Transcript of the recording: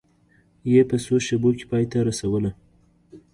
یې په څو شېبو کې پای ته رسوله.